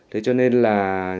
thế cho nên là